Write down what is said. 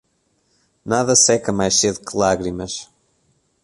Nada seca mais cedo que lágrimas.